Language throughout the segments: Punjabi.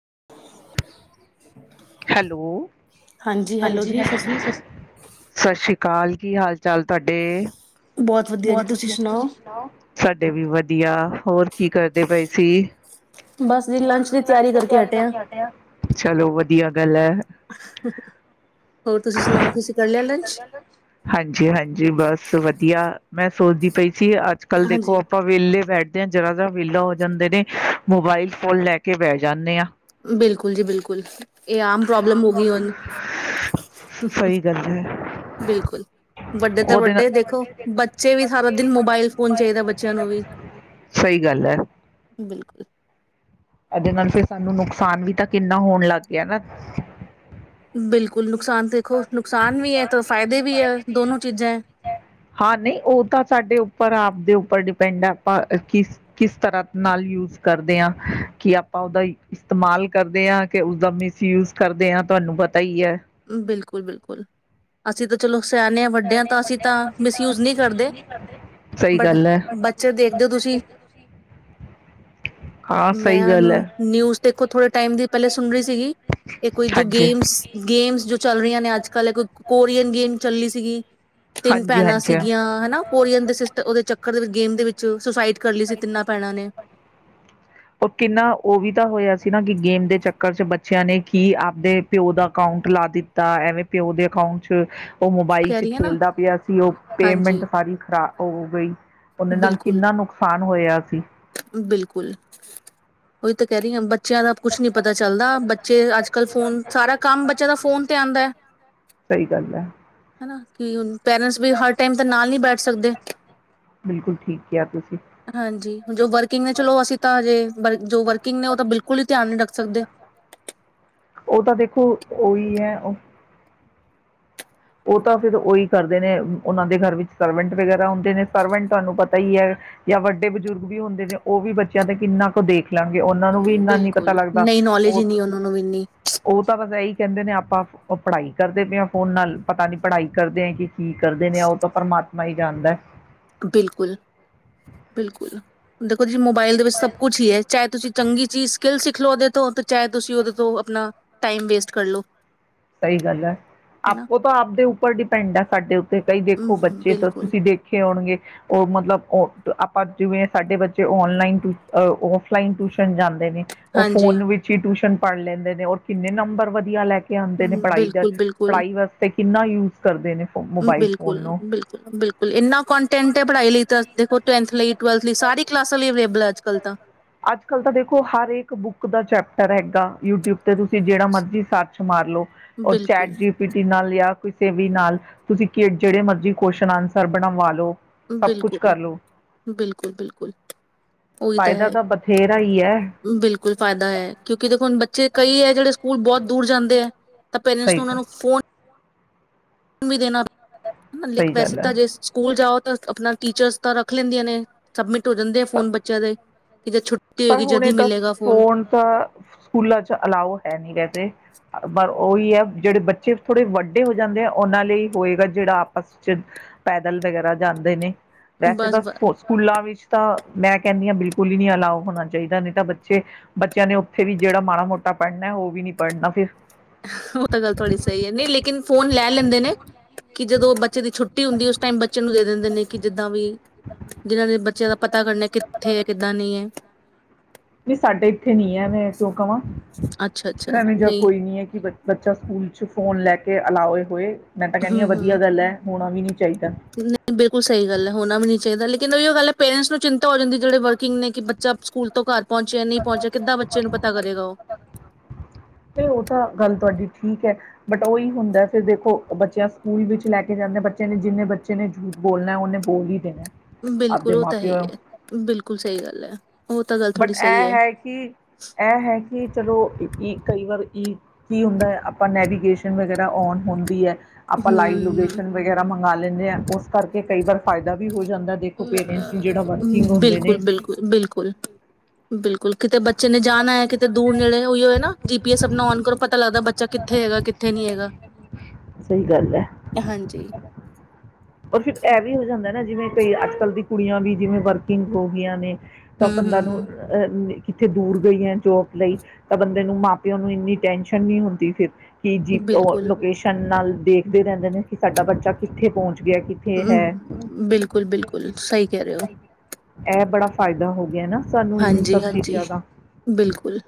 [unintelligible] ਹੈਲੋ ਹਾਂਜੀ ਹਾਂ [unintelligible] ਹੈਲੋ ਜੀ ਸਸ ਸਤਿ ਸ਼੍ਰੀ ਕਾਲ ਕੀ ਹਾਲ ਚਾਲ ਤੁਹਾਡੇ [unintelligible] ਬਹੁਤ ਵਧੀਆ ਜੀ ਤੁਸੀਂ ਸੁਣਾਓ ਸਾਡੇ ਵੀ ਵ ਵਧੀਆ ਹੋਰ ਕੀ ਕਰਦੇ ਪਏ ਸੀ ਬਸ ਜੀ ਲੰਚ ਦੀ ਤਿਆਰੀ ਕਰਕੇ ਹਟੇ ਆਂ ਚਲੋ ਵ ਦੀਆਂ ਗੱਲ ਹੈ ਹੋਰ ਤੁਸੀਂ ਸੁਣਾਓ ਤੁਸੀਂ ਕਰ ਲਿਆ ਲੰਚ? ਹਾਂਜੀ ਹਾਂਜੀ ਬਸ ਵਧੀਆ ਮੈਂ ਸੋਚਦੀ ਪਈ ਸੀ ਅੱਜ ਕੱਲ੍ਹ ਦੇਖੋ ਹਾਂਜੀ ਆਪਾਂ ਵਿਹਲੇ ਬੈਠ ਜ਼ਰਾ ਜਰਾ ਵਿਲਾ ਹੋ ਜਾਂਦੇ ਨੇ ਮੋਬਾਇਲ ਫੋਨ ਲੈ ਕੇ ਬਹਿ ਜਾਨੇ ਹਾਂ ਬਿਲਕੁਲ ਜੀ ਬਿਲਕੁਲ ਇਹ ਆਮ ਪ੍ਰੋਬਲਮ ਹੋ ਗਈ ਹੁਣ ਸਹੀ ਗੱਲ ਹੈ ਬਿਲਕੁਲ ਵੱਡੇ ਤਾਂ ਵੱਡੇ ਦੇਖੋ ਬੱ ਬੱਚੇ ਵੀ ਸਾਰਾ ਦਿਨ ਮੋਬਾਇਲ ਫੋਨ ਨੂੰ ਚਾਹੀਦਾ ਵੀ ਸਹੀ ਗੱਲ ਹੈ ਬਿਲਕੁਲ। ਇਹਦੇ ਨਾਲ ਫਿਰ ਸਾਨੂੰ ਨੁਕਸਾਨ ਵੀ ਤਾਂ ਕਿੰਨਾ ਹੋਣ ਲੱਗ ਗਿਆ ਨਾ ਬਿਲਕੁਲ ਨੁਕਸਾਨ ਦੇਖੋ ਨੁਕਸਾਨ ਵੀ ਹੈ ਤਾਂ ਫਾਇਦੇ ਵੀ ਹੈ ਦੋਨੋ ਚੀਜ਼ਾਂ ਹੈ। ਹਾਂ ਨਹੀਂ ਉਹ ਤਾਂ ਸਾਡੇ ਉੱਪਰ ਆਪ ਦਿਓ ਉੱਪਰ ਡਿਪੈਂਡ ਹੈ ਆਪਾਂ ਕਿਸ ਕਿਸ ਤਰ੍ਹਾਂ ਨਾਲ ਯੂਜ ਕਰਦੇ ਹਾਂ ਕੀ ਆਪਾਂ ਉਹਦਾ ਇਸਤੇਮਾਲ ਕਰਦੇ ਹਾਂ ਕਿ ਉਸਦਾ ਮਿਸਯੂਜ ਕਰਦੇ ਹਾਂ ਤੁਹਾਨੂੰ ਪਤਾ ਹੀ ਹੈ ਬਿਲਕੁਲ ਬਿਲਕੁਲ ਅਸੀਂ ਤਾਂ ਚਲੋ ਸਿਆਨੇ ਵੱਡੇ ਆ ਤਾਂ ਅਸੀਂ ਤਾਂ ਮਿਸਯੂਜ ਨਹੀਂ ਕਰਦੇ ਸਹੀ ਬਟ ਗੱਲ ਹੈ ਬੱਚੇ ਦੇਖਦੇ ਹੋ ਤੁਸੀਂ ਹਾਂ ਮੈਂ ਸਹੀ ਗੱਲ ਹੈ ਉਹਨੂੰ ਨਿਊਜ਼ ਦੇਖੋ ਥੋੜੇ ਟਾਈਮ ਦੀ ਪਹਿਲੇ ਸੁਣ ਰਹੀ ਸੀਗੀ ਇਹ ਕੋਈ ਜੋ ਹਾਂਜੀ ਗੇਮਸ ਗੇਮਸ ਜੋ ਚੱਲ ਰਹੀਆਂ ਨੇ ਅੱਜ ਕੱਲ੍ਹ ਇੱਕ ਕੋਰੀਅਨ ਗੇਮ ਚੱਲੀ ਸੀਗੀ ਤਿੰਨ ਹਾਂਜੀ ਭੈਣਾਂ ਹਾਂਜੀ ਸੀਗੀਆਂ ਹਨਾ ਕੋਰੀਅਨ ਦੇ ਸਿਸ ਤੇ ਉਹਦੇ ਚੱਕਰ ਦੇ ਵਿੱਚ ਗੇਮ ਦੇ ਵਿੱਚ ਸੁਸਾਈਡ ਕਰ ਲਈ ਸੀ ਤਿੰਨਾਂ ਭੈਣਾਂ ਨੇ ਕਿੰਨਾ ਉਹ ਕਿੰਨਾ ਉਹ ਵੀ ਤਾਂ ਹੋਇਆ ਸੀ ਨਾ ਕਿ ਗੇਮ ਦੇ ਚੱਕਰ ਚ ਬੱਚਿਆਂ ਨੇ ਕੀ ਆਪਦੇ ਪਿਓ ਦਾ ਅਕਾਊਂਟ ਲਾ ਦਿੱਤਾ ਐਵੇਂ ਪਿਓ ਦੇ ਅਕਾਊਂਟ ਚ ਉਹ ਮੋਬਾਈਲ ਕਹਿ ਚ ਰਹੀ ਹੈ ਨਾ ਖੇਲਦਾ ਪਿਆ ਸੀ ਉਹ ਹਾਂਜੀ ਪੇਮੈਂਟ ਸਾਰੀ ਖਰਾ ਹੋ ਗਈ ਉਹਦੇ ਨਾਲ ਬਿਲਕੁਲ ਕਿੰਨਾ ਨੁਕਸਾਨ ਹੋਇਆ ਸੀ ਬਿਲਕੁਲ ਉਹੀ ਕਹਿ ਰਹੀ ਆ ਬੱਚਿਆਂ ਦਾ ਕੁਛ ਨੀ ਪਤਾ ਚੱਲਦਾ ਬੱਚੇ ਅੱਜ ਕੱਲ ਫੋਨ ਸਾਰਾ ਕੰਮ ਬੱਚਿਆਂ ਦਾ ਫੋਨ ਤੇ ਆਉਂਦਾ ਹੈ ਸਹੀ ਗੱਲ ਹੈ ਹਨਾ ਕਿ ਹੁਣ ਪੇਰੈਂਟਸ ਵੀ ਹਰ ਟਾਈਮ ਤਾਂ ਨਾਲ ਨਹੀਂ ਬੈਠ ਸਕਦੇ ਬਿਲਕੁਲ ਠੀਕ ਕਿਹਾ ਤੁਸੀਂ ਹਾਂਜੀ ਜੋ ਵਰਕਿੰਗ ਨੇ ਚਲੋ ਅਸੀਂ ਤਾਂ ਹਜੇ ਜੋ ਵਰਕਿੰਗ ਨੇ ਉਹ ਤਾਂ ਬਿਲਕੁਲ ਹੀ ਧਿਆਨ ਨੀ ਰੱਖ ਸਕਦੇ ਓ ਉਹ ਤਾਂ ਫਿਰ ਉਹੀ ਕਰਦੇ ਨੇ ਉਹਨਾਂ ਦੇ ਘਰ ਵਿੱਚ ਸਰਵੈਂਟ ਵਗੈਰਾ ਹੁੰਦੇ ਨੇ ਸਰਵੈਂਟ ਤੁਹਾਨੂੰ ਪਤਾ ਹੀ ਹੈ ਜਾਂ ਵੱਡੇ ਬਜ਼ੁਰਗ ਵੀ ਹੁੰਦੇ ਨੇ ਉਹ ਵੀ ਬੱਚਿਆਂ ਤੇ ਕਿੰਨਾ ਕੁ ਦੇਖ ਲਣਗੇ ਉਹਨਾਂ ਨੂੰ ਵੀ ਇੰਨਾ ਨ ਪਤਾ ਬਿਲਕੁਲ ਲੱਗਦਾ ਨਹੀਂ ਨੌਲੇਜ ਉਹ ਹੀ ਨਹੀਂ ਉਹਨਾਂ ਨੂੰ ਇੰਨੀ ਉਹ ਤਾਂ ਵਸ ਇਹੀ ਕਹਿੰਦੇ ਨੇ ਆਪਾਂ ਪੜ੍ਹਾਈ ਕਰਦੇ ਪਏ ਹਾਂ ਫੋਨ ਨਾਲ ਪਤਾ ਨੀ ਪੜ੍ਹਾਈ ਕਰਦੇ ਹੈ ਕਿ ਕੀ ਕਰਦੇ ਨੇ ਉਹ ਤਾਂ ਪਰਮਾਤਮਾ ਮਾਈ ਜਾਂਦਾ ਬਿਲਕੁਲ ਬਿਲਕੁਲ [unintelligible] ਮੋਬਾਇਲ ਦੇ ਵਿੱਚ ਸਭ ਕੁੱਛ ਹੀ ਹੈ ਚਾਹੇ ਤੁਸੀਂ ਚੰਗੀ ਚੀਜ਼ ਸਕਿੱਲ ਸਿੱਖ ਲਓ ਉਹਦੇ ਤੋਂ ਚਾਹੇ ਤੁਸੀਂ ਉਹਦੇ ਤੋਂ ਆਪਣਾ ਟਾਈਮ ਵੇਸਟ ਕਰ ਲੋ ਸਹੀ ਗੱਲ ਹੈ ਆਪੋ ਤਾਂ ਆਪਦੇ ਉੱਪਰ ਡਿਪੈਂਡ ਹੈ ਸਾਡੇ ਉੱਤੇ ਕਈ ਦੇਖੋ ਹਮ, ਬੱਚੇ ਤਾਂ ਬਿਲਕੁਲ ਤੁਸੀਂ ਦੇਖੇ ਹੋਣਗੇ ਉਹ ਮਤਲਬ ਆਪਾਂ ਜਿਵੇਂ ਸਾਡੇ ਬੱਚੇ ਔਨਲਾਈਨ ਔਫਲਾਈਨ ਟਿਊਸ਼ਨ ਜਾਂਦੇ ਨੇ ਉਹ ਹਾਂਜੀ ਫੋਨ ਵਿੱਚ ਹੀ ਟਿਊਸ਼ਨ ਪੜ੍ਹ ਲੈਂਦੇ ਨੇ ਔਰ ਕਿੰਨੇ ਨੰਬਰ ਵਧੀਆ ਲੈ ਕੇ ਆਉਂਦੇ ਨੇ ਹਮ, ਪੜ੍ਹਾਈ ਦਾ ਬਿਲਕੁਲ ਬਿਲਕੁਲ ਪੜ੍ਹਾਈ ਵਾਸਤੇ ਕਿੰਨਾ ਯੂਜ਼ ਬਿਲਕੁਲ ਬਿਲਕੁਲ ਬਿਲਕੁਲ ਇਨਾ ਕੰਟੈਂਟ ਹੈ ਪੜ੍ਹਾਈ ਲਈ ਤ ਦੇੋ ਟੈਂ ਲਈ ਟਵਲਥ ਲਈ ਸਾਰੀ ਕਲਾਸਾਂ ਲਈ ਅਵੇਲਏਬਲ ਅਜ ਕਲ ਅੱਜ ਕੱਲ ਤਾਂ ਦੇਖੋ ਹਰ ਇੱਕ ਬੁੱਕ ਦਾ ਚੈਪਟਰ ਹੈਗਾ ਯੂਟਿਊਬ ਤੇ ਤੁਸੀਂ ਜਿਹੜਾ ਮਰਜ਼ੀ ਸੱਚ ਚ ਮਾਰ ਲੋੋ ਉਹਰ ਚੈਟ ਬਿਲਕੁਲ ਜੀ ਪੀ ਟੀ ਨਾਲ ਲਿਆ ਕਿਸੇ ਵੀ ਨਾਲ ਤੁਸੀਂ ਜਿਹੜੇ ਮਰਜ਼ੀ ਕੁਸ਼ਚਨ ਆਨਸਰ ਬਣਾਵਾ ਲਓ ਸਭ ਕੁਝ ਬਿਲਕੁਲ ਕਰ ਲਓ ਬਿਲਕੁਲ ਬਿਲਕੁਲ ਉਹੀ ਤਾਂ ਫਾਇਦਾ ਹੈ ਬਥੇਰਾ ਹੀ ਹੈ ਬਿਲਕੁਲ ਫਾਇਦਾ ਹੈ ਕਿਉਂਕਿ ਦੇਖੋੁਣ ਬੱਚੇ ਕਈ ਹੈ ਜਿਹੜੇ ਸਕੂਲ ਬਹੁਤ ਦੂਰ ਜਾਂਦੇ ਤੇ ਤਾਂ ਪੇਰੈਂਟਸ ਸਹੀ ਨੂੰ ਉਹ ਗੱਲ ਨੂੰ ਫੋਨ ਤੁਨ ਵੀ ਦੇਣਾ ਹਨ ਲ ਸਹੀ ਵੈਸੇ ਗੱਲ ਹੈ ਤਾਂ ਜੇ ਸਕੂਲ ਜਾਓ ਆਪਣਾ ਟੀਚਰਸ ਤਾਂ ਪੱਕਾ ਰੱਖ ਲੈਂਦੀਆਂ ਨੇ ਸਬਮਿਟ ਹੋ ਜਾਂਦੇ ਆ ਫੋਨ ਬੱਚਿਆਂ ਦੇ ਜਦ ਛੁੱਟੀ ਪਰ ਹੋਏਗੀ ਜਦ ਹੁਣੇ ਹੀ ਇਹ ਤਾਂ ਮਿਲੇਗਾ ਫੋਨ ਤਾਂ ਸਕੂਲਾਂ ਚ ਅਲਾਓ ਹੈ ਨਹੀਂ ਰਹਦੇ ਪਰ ਉਹੀ ਹੈ ਜਿਹੜੇ ਬੱਚੇ ਥੋੜ੍ਹੇ ਵੱਡੇ ਹੋ ਜਾਂਦੇ ਆ ਉਹਨਾਂ ਲਈ ਹੋਏਗਾ ਜਿਹੜਾ ਆਪਸ ਚ ਪੈਦਲ ਵਗੈਰਾ ਜਾਂਦੇ ਨੇ ਵੈਸੇ ਬਸ ਤਾਂ ਬਸ ਸਕੂਲਾਂ ਵਿੱਚ ਤਾਂ ਮੈਂ ਕਹਿੰਦੀ ਹਾਂ ਬਿਲਕੁਲ ਹੀ ਨੀ ਅਲਾਓ ਹੋਣਾ ਚਾਹੀਦਾ ਨਹੀਂ ਤਾਂ ਬੱਚੇ ਬੱਚਿਆਂ ਨੇ ਉੱਥੇ ਵੀ ਜਿਹੜਾ ਮਾੜਾ ਮੋਟਾ ਪੜ੍ਹਨਾ ਉਹ ਵੀ ਨਹੀਂ ਪੜ੍ਹਨਾ ਫਿਰ ਉਹ ਤਾਂ ਗੱਲ ਥੋੜ੍ਹੀ ਸਹੀ ਹੈ ਨਹੀਂ ਲੇਕਿਨ ਫੋਨ ਲੈ ਲੈਂਦੇ ਨੇ ਕਿ ਜਦੋਂ ਬੱਚੇ ਦੀ ਛੁੱਟੀ ਹੁੰਦੀ ਉਸ ਟਾਈਮ ਬੱਚੇ ਨੂੰ ਦੇ ਦਿੰਦੇ ਨੇ ਕਿ ਜਿੱਦਾਂ ਵੀ ਜਿਨਾਂ ਦੇ ਬੱਚਿਆਂ ਦਾ ਪਤਾ ਕਰਨਾ ਕਿੱਥੇ ਹੈ ਕਿੱਦਾਂ ਨਹੀਂ ਹੈ ਵੀ ਸਾਡੇ ਇੱਥੇ ਨੀ ਹੈ ਮੈਂ ਕਿਉਂ ਕਹਾਂ ਅੱਛਾ ਅੱਛਾ ਇਹਣੇ ਜਾਂ ਨਹੀਂ ਕੋਈ ਨੀ ਹੈ ਕਿ ਬ ਬੱਚਾ ਸਕੂਲ ਚ ਫੋਨ ਲੈ ਕੇ ਅਲਾਓ ਹੋਏ ਮੈਂ ਤਾਂ ਕਹਿੰਦੀ ਹਮ ਹਾਂ ਵਧੀਆ ਹਮ ਗੱਲ ਹੈ ਹੋਣਾ ਵੀ ਨਹੀਂ ਚਾਹੀਦਾ ਨਹੀਂ ਬਿਲਕੁਲ ਸਹੀ ਗੱਲ ਹੈ ਹੋਣਾ ਵੀ ਨਹੀਂ ਚਾਹੀਦਾ ਲੇਕਨ ਕਹਿੰਦਾ ਵੀ ਉਹ ਗੱਲ ਹੈ ਪੇਰੈਂਟਸ ਨੂੰ ਚਿੰਤਾ ਹੋ ਜਾਂਦੀ ਜਿਹੜੇ ਵਰਕਿੰਗ ਕਿ ਬੱਚਾ ਸਕੂਲ ਤੋਂ ਘਰ ਪਹੁੰਚਿਆ ਨਹੀਂ ਪਹੁੰਚਿਆ ਕਿੱਦਾਂ ਬੱਚੇ ਨੂੰ ਪਤਾ ਕਰੇਗਾ ਉਹ ਤੇ ਉਹ ਤਾਂ ਗੱਲ ਤੁਹਾਡੀ ਠੀਕ ਹੈ ਬਟ ਉਹੀ ਹੁੰਦਾ ਫਿਰ ਦੇਖੋ ਬੱਚਿਆਂ ਸਕੂਲ ਵਿੱਚ ਲੈ ਕੇ ਜਾਂਦੇ ਬੱਚਿਆਂ ਨੇ ਜਿੰਨੇ ਬੱਚੇ ਨੇ ਝੂਠ ਬੋਲਣਾ ਉਹਨੇ ਬੋਲ ਹੀ ਦੇਣਾ ਬਿਲਕੁਲ ਆਪਦੇ ਉਹ ਮਾਂ ਤਾਂ ਹੈਹੀ ਪਿਓ ਹੈ ਬਿਲਕੁਲ ਸਹੀ ਗੱਲ ਹੈ ਉਹ ਤਾਂ ਗੱਲ ਥੋੜੀ ਬਟ ਸਹੀ ਇਹ ਹੈ ਕਿ, ਇਹ ਹੈ ਕਿ, ਚਲੋ ਕਈ ਵਾਰ ਈ ਕੀ ਹੁੰਦਾ ਆਪਾਂ ਨੈਵੀਗੇਸ਼ਨ ਵਗੈਰਾ ਔਨ ਹੁੰਦੀ ਹੈ। ਆਪਾਂ ਲਾਈਵ ਹਮ ਲੋਕੇਸ਼ਨ ਵਗੈਰਾ ਮੰਗ ਮੰਨ ਲੈਂਦੇ ਆ ਉਸ ਕਰਕੇ ਕਈ ਵਾਰ ਫਾਇਦਾ ਵੀ ਹੋ ਜਾਂਦਾ ਦੇਖੋ ਪੇਰੈਂਟਸ ਨੂੰ ਜਿਹੜਾ ਵਰਕਿੰਗ ਅਮ, ਹੁੰਦੇ ਨੇ ਬਿਲਕੁਲ ਬਿਲਕੁਲ ਬਿਲਕੁਲ। ਬਿਲਕੁਲ ਕਿਤੇ ਬੱਚੇ ਨੇ ਜਾਣਾ ਹੈ। ਕਿਤੇ ਦੂਰ ਨੇੜੇ ਹੋਈ ਹੋ ਨਾ ਜੀ ਪੀ ਐਸ ਆਪਣਾ ਔਨ ਕਰੋ ਪਤਾ ਲੱਗਦਾ ਬੱਚਾ ਕਿੱਥੇ ਹੈਗਾ, ਕਿੱਥੇ ਨੀ ਹੈਗਾ, ਸਹੀ ਗੱਲ ਹੈ ਹਾਂਜੀ। ਔਰ ਫਿਰ ਇਹ ਵੀ ਹੋ ਜਾਂਦਾ ਜਿਵੇਂ ਕਈ ਅੱਜ ਕੱਲ੍ਹ ਦੀ ਕੁੜੀਆਂ ਵੀ ਜਿਵੇਂ ਵਰਕਿੰਗ ਹੋ ਗਈਆਂ ਨੇ ਤਾਂ ਹਮ ਬੰਦਾ ਨੂੰ ਹਮ ਅਹ ਨੀ ਕਿੱਥੇ ਦੂਰ ਗਈ ਹੈ ਜੋਬ ਲਈ ਤਾਂ ਬੰਦੇ ਨੂੰ ਮਾਂ- ਪਿਓ ਨੂੰ ਇੰਨੀ ਟੈਂਸ਼ਨ ਨਹੀਂ ਹੁੰਦੀ ਫਿਰ। ਕਿ ਜੀਪੀ ਔ ਬਿਲਕੁਲ ਲੋਕੇਸ਼ਨ ਨਾਲ ਦੇਖਦੇ ਰਹਿੰਦੇ ਨੇ ਕਿ ਸਾਡਾ ਬੱਚਾ ਕਿੱਥੇ ਪਹੁੰਚ ਗਿਆ ਕਿੱਥੇ ਹੈ ਹਮ ਬਿਲਕੁਲ- ਬਿਲਕੁਲ ਸਹੀ ਕਹਿ ਰਹੇ ਹੋ। ਇਹ ਬੜਾ ਫਾਇਦਾ ਹੋ ਗਿਆ ਨਾ। ਸਾਨੂੰ ਇਹ ਹਾਂਜੀ ਸਭ ਹਾਂਜੀ, ਚੀਜ਼ਾਂ ਦਾ ਬਿਲਕੁਲ,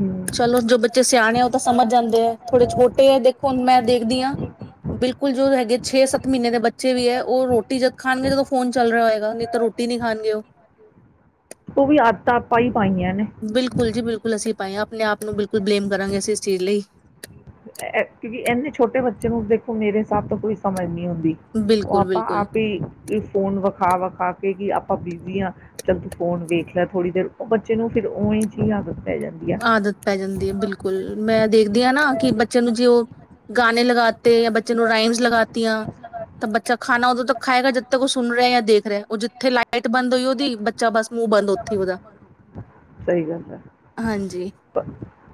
ਹਮ, ਚਲੋ ਜੋ ਬੱਚੇ ਸਿਆਣੇ ਆ ਉਹ ਤਾਂ ਸਮਝ ਜਾਂਦੇ ਆ ਥੋੜੇ ਛੋਟੇ ਹੈ ਦੇਖੋ ਮੈਂ ਦੇਖਦੀ ਹਾਂ, ਬਿਲਕੁਲ ਜੋ ਹੈਗੇ ਛੇ -ਸੱਤ ਮਹੀਨੇ ਦੇ ਬੱਚੇ ਵੀ ਹੈ। ਉਹ ਰੋਟੀ ਜਦ ਖਾਣਗੇ ਜਦੋ ਫੋਨ ਚੱਲ ਰਿਹਾ ਹੋਏਗਾ ਨਹੀਂ ਤਾਂ ਰੋਟੀ ਨੀ ਖਾਣਗੇ ਔਹ। ਉਹ ਵੀ ਆਦਤਾ ਪਾਈ ਬਿਲਕੁਲ ਜੀ, ਬਿਲਕੁਲ ਅਸੀਂ ਪਾਈ ਹਾਂ ਆਪਣੇ ਆਪ ਨੂੰ ਬਿਲਕੁਲ ਬਲੇਮ ਕਰਾਂਗੇ ਅਸੀਂ ਇਸ ਚੀਜ਼ ਲਈ। ਅਹ ਅ ਕਿਉਂਕਿ ਇੰਨੇ ਛੋਟੇ ਬੱਚੇ ਨੂੰ ਦੇਖੋ ਮੇਰੇ ਹਿਸਾਬ ਤੋਂ ਕੋਈ ਸਮਝ ਨੀ ਹੁੰਦੀ ਦੀ, ਔਹ ਬਿਲਕੁਲ ਆਪਾਂ ਬਿਲਕੁਲ ਆਪ ਹੀ ਫੋਨ ਵਖਾ-ਵਖਾ ਕਿ ਆਪਾਂ ਬਿਜ਼ੀ ਹਾਂ ਚੱਲ ਤੂੰ ਫੋਨ ਵੇਖ ਲੈ ਥੋੜੀ ਦੇਰ ਉਹ ਬੱਚੇ ਨੂੰ ਫਿਰ ਉਵੀ ਜਈ ਆਦਤ ਪੈ ਜਾਂਦੀ ਆ ਆਦਤ ਪੈ ਜਾਂਦੀ ਏ। ਬਿਲਕੁਲ ਮੈਂ ਦੇਖਦੀ ਆ ਨਾ ਕਿ ਬੱਚੇ ਨੂੰ ਜੇ ਉਹ ਗਾਣੇ ਲਗਾਤੇ ਜਾਂ ਬੱਚੇ ਨੂੰ ਰਾਈਮਸ ਲਗਾਤੀਆਂ, ਤਾਂ ਬੱਚਾ ਖਾਣਾ ਉਦੋਂ ਤੱਕ ਖਾਏਗਾ ਜੱਦ ਤੱਕ ਉਹ ਸੁਣ ਰਿਹਾ, ਦੇਖ ਰਿਹਾ। ਉਹ ਜਿੱਥੇ ਲਾਈਟ ਬੰਦ ਹੋਈ ਉਹਦੀ ਬੱਚਾ ਬਸ ਮੂੰਹ ਬੰਦ ਉੱਥੇ ਹੀ ਉਹਦਾ ਸਹੀ ਗੱਲ ਏ। ਹਾਂਜੀ ਪ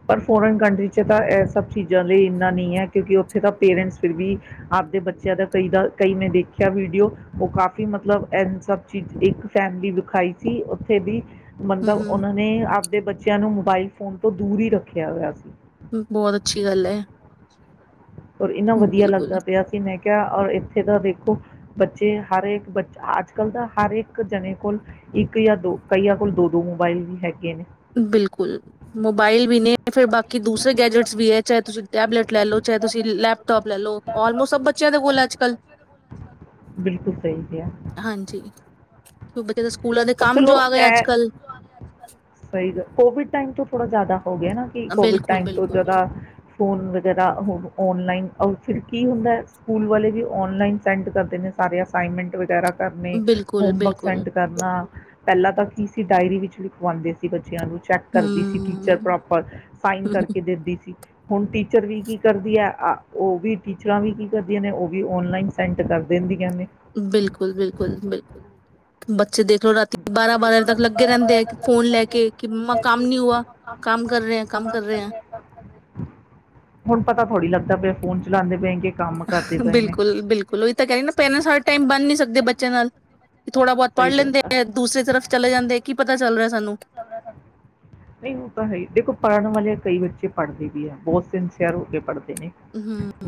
ਪਰ ਫੋਰਨ ਕੰਟਰੀ ਚ ਤਾਂ ਏ ਇਹ ਸਭ ਚੀਜ਼ਾਂ ਲਈ ਇੰਨਾ ਨਹੀਂ ਹੈ, ਕਿਉਂਕਿ ਉੱਥੇ ਤਾਂ ਪੇਰੈਂਟਸ ਫਿਰ ਵੀ ਆਪਦੇ ਬੱਚਿਆਂ ਦਾ ਕਈ ਦਾ ਕਈ ਨੇ ਦੇਖਿਆ ਵੀਡੀਓ ਉਹ ਕਾਫ਼ੀ ਮਤਲਬ ਏ ਸਭ ਚੀਜ਼ ਇੱਕ ਫੈਮਿਲੀ ਵਿਖਾਈ ਸੀ। [unintelligible] ਹੂੰ ਮਤਲਬ ਹੂੰ ਉਹਨਾਂ ਨੇ ਆਪਦੇ ਬੱਚਿਆਂ ਨੂੰ ਮੋਬਾਈਲ ਫੋਨ ਤੋਂ ਦੂਰ ਹੀ ਰੱਖਿਆ ਦਾ ਸੀ। ਬਹੁਤ ਅੱਛੀ ਗੱਲ ਏ। ਔਰ ਇੰਨਾ ਵਧੀਆ ਬਿਲਕੁਲ। ਲੱਗਦਾ ਪਿਆ ਸੀ ਮੈਂ ਔਰ ਇੱਥੇ ਤਾਂ ਵੇਖੋ ਬੱਚੇ ਹਰ ਇੱਕ ਬੱਚਾ ਅੱਜ ਕੱਲ ਤਾਂ ਹਰ ਇੱਕ ਜਣੇ ਕੋਲ ਇੱਕ ਯਾਂ ਦੋ ਕਈਆਂ ਕੋਲ ਦੋ-ਦੋ ਮੋਬਾਇਲ ਵੀ ਹੈਗੇ। ਨੇ ਬਿਲਕੁਲ ਮੋਬਾਇਲ ਵੀ ਨੇ ਫਿਰ ਬਾਕੀ ਦੂਸਰੇ ਗੈਜਟਸ ਵੀ ਏ ਚਾਹੇ ਤੁਸੀਂ ਟੈਬਲੇਟ ਲੈ ਲਓ, ਚਾਹੇ ਤੁਸੀਂ ਲੈਪਟੋਪ ਲੈ ਲਓ ਆਲਮੋਸਟ ਸਭ ਬੱਚਿਆਂ ਦੇ ਕੋਲ ਅੱਜ ਕੱਲ। ਬਿਲਕੁਲ ਸਹੀ ਕਿਹਾ ਹਾਂਜੀ। [unintelligible] ਸਕੂਲਾਂ ਦੇ ਪਰ ਕੰਮ ਚਲੋ ਜੋ ਆ ਗਏ ਅੱਜ ਐ ਕੱਲ ਸਹੀ ਗੱਲ ਕੋਵਿਡ ਟਾਈਮ ਤੋਂ ਥੋੜਾ ਜ਼ਿਆਦਾ। ਹੋ ਗਿਆ ਨਾ ਕਿ ਕੋਵਿਡ ਬਿਲਕੁਲ ਟਾਈਮ ਤੋਂ ਬਿਲਕੁਲ ਜਿਆਦਾ ਫੋਨ ਵਗੈਰਾ ਆਨਲਾਈਨ ਔਰ ਫਿਰ ਕੀ ਹੁੰਦਾ ਸਕੂਲ ਵਾਲੇ ਵੀ ਔਨਲਾਈਨ ਸੈਂਡ ਕਰਦੇ ਨੇ ਸਾਰੇ ਅਸਾਈਨਮੈਂਟ ਵਗੈਰਾ ਕਰਨੇ ਬਿਲਕੁਲ ਹੋਮਵਰਕ ਬਿਲਕੁਲ ਸੈਂਡਕਰਨਾ ਪਹਿਲਾਂ ਤਾਂ ਕੀ ਸੀ ਡਾਇਰੀ ਵਿੱਚ ਵੀ ਪਵਾਉਂਦੇ ਸੀ ਬੱਚੇ ਬੱਚਿਆਂ ਨੂੰ ਚੈੱਕ ਕਰਦੀ ਸੀ ਟੀਚਰ ਹਮ ਪ੍ਰੋਪਰ ਸਾਈਨ ਕਰਕੇ ਦਦੀ ਸੀ ਹੁਣ ਟੀਚਰ ਵੀ ਕੀ ਕਰਦੀ ਹੈ ਉਹ ਵੀ ਟੀਚਰਾਂ ਵੀ ਕੀ ਕਰਦੀਆਂ ਨੇ ਉਹ ਵੀ ਔਨਲਾਈਨ ਸੈਂਟ ਕਰ ਦਿੰਦੀਆਂ ਨੇ ਬਿਲਕੁਲ ਬਿਲਕੁਲ ਬਿਲਕੁਲ ਬ ਆ ਕਿ ਫੋਨ ਲੈ ਕੇ ਕਿ ਮੰਮਾ ਕੰਮ ਨਹੀਂ ਹੁਆ ਹੁਣ ਪਤਾ ਥੋੜੀ ਲਗਦਾ ਪਿਆ ਫੋਨ ਚ' ਚਲਾਉਂਦੇ ਪਏਗੇ ਬਿਲਕੁਲ ਬਿਲਕੁਲ ਉਹੀ ਤਾਂ ਕਹਿਣੀ ਨਾ ਪੇਰੈਂਟਸ ਹਰ ਟਾਈਮ ਬਣ ਨੀ ਸਕਦੇ ਬੱਚੇ ਨਾਲ ਥੋੜਾ ਬਹੁਤ ਪੜ੍ਹ ਸਹੀ ਗੱਲ ਲੈਂਦੇ ਆ ਦੂਸਰੇ ਤਰਫ਼ ਚਲੇ ਜਾਂਦੇ ਕੀ ਪਤਾ ਚੱਲ ਰਿਹਾ ਸਾਨੂੰ ਨਹੀਂ ਉਹ ਤਾਂ ਹੈ ਦੇਖੋ ਪੜ੍ਹਨ ਵਾਲੇ ਕਈ ਬੱਚੇ ਪੜ੍ਹਦੇ ਵੀ ਹੈ ਬਹੁਤ ਸਿੰਸੀਅਰ ਹੋ ਕੇ ਪੜ੍ਹਦੇ ਨੇ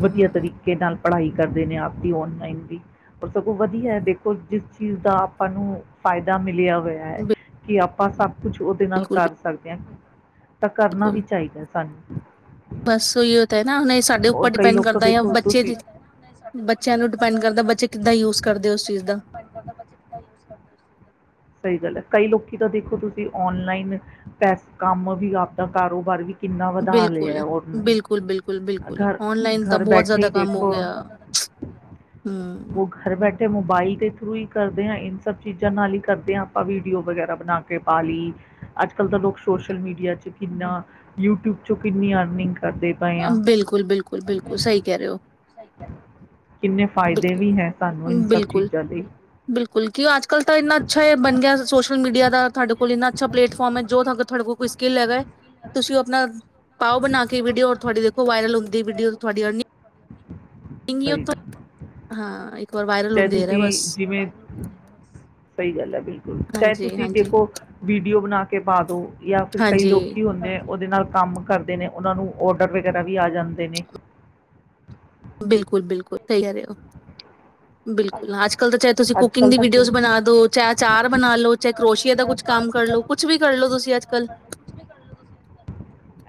ਵਧੀਆ ਤਰੀਕੇ ਨਾਲ ਪੜ੍ਹਾਈ ਕਰਦੇ ਨੇ ਆਪਦੀ ਔਨਲਾਈਨ ਦੀ ਪਰ ਸਗੋਂ ਵਧੀਆ ਹੈ ਦੇਖੋ ਜਿਸ ਚੀਜ਼ ਦਾ ਆਪਾਂ ਨੂੰ ਫਾਇਦਾ ਮਿਲਿਆ ਹੋਇਆ ਹੈ ਕਿ ਆਪਾਂ ਬਸਾ ਕੁਛ ਉਹਦੇ ਨਾਲ ਬਿਲਕੁਲ ਕਰ ਸਕਦੇ ਆਂ ਤਾਂ ਕਰਨਾ ਵੀ ਬਿਲਕੁਲ ਚਾਹੀਦਾ ਸੀ ਹਨ ਬਸ ਓਹੀਓ ਤਾਂ ਹੈ ਨਾ ਹੁਣ ਸਾਡੇ ਔਰ ਉੱਪਰ ਕਈ ਡਿਪੈਂਡ ਲੋਕ ਤਾਂ ਕਰਦਾ ਜਾਂ ਦੇਖੋ ਬੱਚੇ ਤੁਸੀਂ ਦੀ ਬੱਚਿਆਂ ਨੂੰ ਡਿਪੈਂਡ ਕਰਦਾ ਬੱਚੇ ਕਿੱਦਾਂ ਯੂਜ ਕਰਦੇ ਉਸ ਚੀਜ਼ ਦਾ ਸਹੀ ਗੱਲ ਹੈ ਕਈ ਲੋਕੀ ਤਾਂ ਦੇਖੋ ਤੁਸੀਂ ਔਨਲਾਈਨ ਪੈਸਾ ਕੰਮ ਵੀ ਆਪਦਾ ਕਾਰੋਬਾਰ ਵੀ ਕਿੰਨਾ ਵਧਾ ਲਿਆ ਬਿਲਕੁਲ ਹੈ ਔਨਲਾਈਨ ਬਿਲਕੁਲ ਬਿਲਕੁਲ ਬਿਲਕੁਲ ਘਰ ਔਨਲਾਈਨ ਤਾਂ ਘਰ ਬਹੁਤ ਬੈਠੇ ਹੀ ਜ਼ਿਆਦਾ ਕੰਮ ਹੋ ਦੇਖੋ ਗਿਆ ਹਮ ਉੱਥੇ ਮੋਬਾਈਲ ਦੇ ਥਰੂ ਹੀ ਕਰਦੇ ਹਾਂ ਇਨ ਸਭ ਚੀਜ਼ਾਂ ਨਾਲ ਹੀ ਕਰਦੇ ਹਾਂ ਆਪਾਂ ਵੀਡੀਓ ਵਗੈਰਾ ਬਣਾ ਕੇ ਪਾ ਲਈ ਅੱਜ ਕੱਲ ਤਾਂ ਲੋਕ ਸੋਸ਼ਲ ਮੀਡੀਆ ਚ ਕਿੰਨਾ ਯੂਟਿਊਬ ਚੋਂ ਕਿੰਨੀ ਅਰਨਿੰਗ ਕਰਦੇ ਪਏ ਆ ਬਿਲਕੁਲ ਬਿਲਕੁਲ ਬਿਲਕੁਲ ਸਹੀ ਕਹਿ ਰਹੇ ਹੋ ਕਿੰਨੇ ਫਾਇਦੇ ਵੀ ਬਿਲਕੁਲ ਹੈ ਸਾਨੂੰ ਇਨ ਸਭ ਬਿਲਕੁਲ ਚੀਜ਼ਾਂ ਲਈ ਬਿਲਕੁਲ ਕਿ ਅੱਜ ਕੱਲ ਤਾਂ ਇੰਨਾ ਅੱਛਾ ਬਣ ਗਿਆ ਸੋਸ਼ਲ ਮੀਡੀਆ ਦਾ ਤੁਹਾਡੇ ਕੋਲ ਕੋਲ ਇੰਨਾ ਅੱਛਾ ਪਲੇਟਫਾਰਮ ਹੈ ਜੋ ਤੁਹਾਡੇ ਕੋਲ ਕੋਈ ਸਕਿੱਲ ਹੈਗਾ ਤੁਸੀਂ ਆਪਣਾ ਪਾਓ ਬਣਾ ਕੇ ਵੀਡੀਓ ਉਹ ਵਾਇਰਲ ਹੁੰਦੀ ਵੀਡੀਓ ਤੁਹਾਡੀ ਅ ਸਹੀ ਹਾਂ ਵਾਰ ਵਾਇਰਲ ਚਾਹੇ ਹੁੰਦੇ ਤੁਸੀਂ ਰਿਹਾ ਬਸ ਜਿਵੇਂ ਸਹੀ ਗੱਲ ਹੈ ਬਿਲਕੁਲ ਚਾਹੇ ਹਾਂਜੀ ਤੁਸੀਂ ਹਾਂਜੀ ਦੇਖੋ ਵੀਡੀਓ ਬਣਾ ਕੇ ਪਾ ਦੋ ਜਾਂ ਫਿਰ ਕਈ ਲੋਕ ਹਾਂਜੀ ਹੁੰਦੇ ਉਹਦੇ ਨਾਲ ਕੰਮ ਕਰਦੇ ਨੇ ਉਹਨਾਂ ਨੂੰ ਔਡਰ ਵਗੈਰਾ ਵੀ ਆ ਜਾਂਦੇ ਨੇ ਬਿਲਕੁਲ। ਬਿਲਕੁਲ। ਸਹੀ ਕੈ ਰਹੇ ਓ। ਬਿਲਕੁਲ ਅਜ- ਕਲ ਚਾਹੇ ਤੁਸੀਂ ਅੱਜ ਕੁਕਿੰਗ ਕੱਲ੍ਹ ਦੀ ਤਾਂ ਕਿ ਵੀਡੀਓਜ ਬਣਾ ਦੋ, ਚਾਹੇ ਅਚਾਰ ਬਣਾਲੋ, ਚਾਹੇ ਕਰੋਸ਼ੀਏ ਦਾ ਕੁਛ ਕੰਮ ਕਰਲੋ, ਕੁਛ ਵੀ ਕਰਲੋ ਤੁਸੀ ਅਜ-ਕਲ।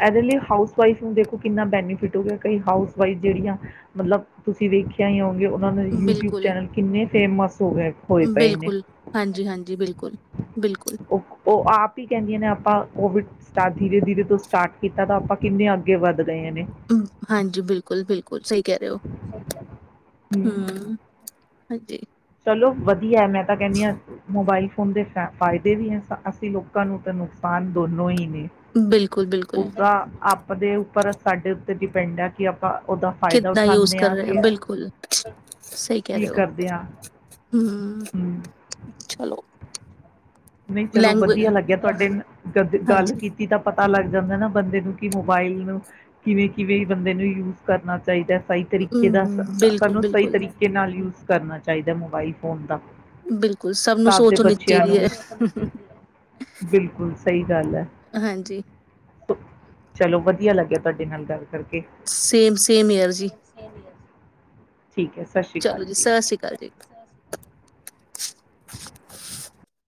ਇਹਦੇ ਲਈ ਹਾਊਸ ਵਾਈਫ ਨੂੰ ਦੇਖੋ ਕਿੰਨਾ ਬੈਨੀਫਿਟ ਹੋ ਗਿਆ, ਕਈ ਹਾਊਸ ਵਾਈਫ ਜਿਹੜੀਆਂ ਮਤਲਬ ਤੁਸੀਂ ਵੇਖਿਆ ਹੀ ਹੋ ਉਹਨਾਂ ਨੁ ਯੂਟਿਊਬ ਬਿਲਕੁਲ ਚੈਨ ਕਿੰਨੇ ਫੇਮਸ ਹੋ ਗਏ ਹੋਏ ਪਏ ਨੇ। ਬਿਲਕੁਲ ਹਾਂਜੀ ਹਾਂਜੀ ਬਿਲਕੁਲ ਬਿਲਕੁਲ ਉਹ ਆਪ ਹੀ ਕਹਿੰਦੀਆਂ ਨੇ, ਆਪਾਂ ਉਹ ਵੀ ਟ ਧੀਰੇ- ਧੀਰੇ ਤੋਂ ਸਟਾਰਟ ਕੀਤਾ ਤਾਂ, ਆਪਾਂ ਕਿੰਨੇ ਅੱਗੇ ਵਧ ਹਾਂਜੀ। ਬਿਲਕੁਲ- ਬਿਲਕੁਲ ਸਹੀ ਕਹਿ ਰਹੇ ਓ ਹੂੰ ਹੰ ਹਾਂਜੀ। ਚਲੋ ਵਧੀਆ ਹੈ ਮੈਂ ਤਾਂ, ਕਹਿੰਦੀ ਹਾਂ ਮੋਬਾਇਲ ਫੋਨ ਦੇ ਫ ਫਾਇਦੇ ਵੀ ਨੇ ਅਸੀਂ ਲੋਕਾਂ ਨੂੰ, ਤਾਂ ਨੁਕਸਾਨ ਦੋਨੋਂ ਹੀ ਨੇ ਬਿਲਕੁਲ। ਬਿਲਕੁਲ। ਆਪ ਦੇ ਉੱਪਰ, ਸਾਡੇ ਉੱਤੇ ਡਿਪੈਂਡ ਹੈ। ਕਿ, ਉਹਦਾ ਫਾਇਦਾ ਕਿੱਦਾਂ ਯੂਜ ਉਠਾਉਂਨੇ ਕਰ ਆ ਰਹੇ ਕਿ, ਬਿਲਕੁਲ, ਸਹੀ ਕਹਿ ਕੀ ਰਹੇ ਹੋ, ਕਰਦੇ ਹਾਂ। ਹੂੰ, ਚਲੋ ਨਹੀਂ ਚਲੋ, ਲੈਂਗੁਏਜ ਵਧੀਆ ਲੱਗਿਆ ਤੁਹਾਡੇ, ਗਦ ਗੱਲ ਹਾਂਜੀ, ਕੀਤੀ ਤਾ ਪਤਾ ਪਤਾ ਲੱਗ ਜਾਂਦਾ ਨਾ ਬੰਦੇ ਨੂੰ ਕਿ, ਮੋਬਾਇਲ ਨੂੰ ਕਿਵੇਂ- ਕਿਵੇਂ ਬੰਦੇ ਨੂੰ ਯੂਜ ਕਰਨਾ ਚਾਹੀਦਾ। ਸਹੀ ਤਰੀਕੇ ਦਾ ਸਾਨੂੰ, ਸਹੀ ਬਿਲਕੁਲ-ਬਿਲਕੁਲ, ਤਰੀਕੇ ਨਾਲ ਯੂਜ ਕਰਨਾ। ਚਾਹੀਦਾ ਮੋਬਾਈਲ ਫੋਨ, ਦਾ‌ ਬਿਲਕੁਲ। ਸਭ ਨੂੰ ਸੋਚ ਹੋਣੀ ਚਾਹੀਦੀ ਨੂੰ ਸਾਨੂੰ ਹੈ। ਵੀ ਬਿਲਕੁਲ ਸਹੀ ਗੱਲ ਹੈ ਹਾਂਜੀ। ਸੋ ਚਲੋ ਵਧੀਆ ਲੱਗਿਆ, ਤੁਹਾਡੇ ਨਾਲ ਗਲ ਸੇਮ- ਸੇਮ ਏਅਰ ਜੀ। ਠੀਕ ਹੈ। ਸਤਿ ਸ਼੍ਰੀ ਅਕਾਲ ਚਲੋ ਜੀ। ਸਤਿ ਸ਼੍ਰੀ ਜੀ। ਹ [unintelligible]